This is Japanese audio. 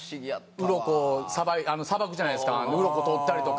うろこさばくじゃないですかうろこ取ったりとか。